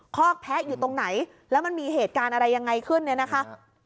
คอกแพะอยู่ตรงไหนแล้วมันมีเหตุการณ์อะไรยังไงขึ้นเนี่ยนะคะ